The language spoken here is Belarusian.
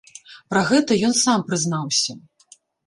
Пра гэта ён сам прызнаўся.